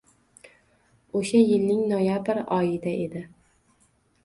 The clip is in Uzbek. O‘sha yilning noyabr oyida edi.